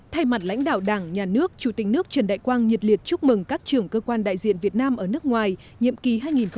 thay mặt lãnh đạo đảng nhà nước chủ tịch nước trần đại quang nhiệt liệt chúc mừng các trưởng cơ quan đại diện việt nam ở nước ngoài nhiệm kỳ hai nghìn một mươi chín hai nghìn hai mươi năm